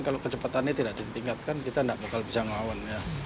kalau kecepatannya tidak ditingkatkan kita gak bakal bisa ngelawan